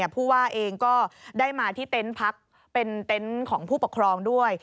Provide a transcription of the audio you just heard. ผู้ว่าเองก็ได้มาที่เต็นต์พักเป็นเต็นต์ของผู้ปกครองด้วย